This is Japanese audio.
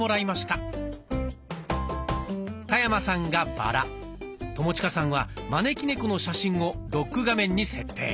田山さんがバラ友近さんは招き猫の写真をロック画面に設定。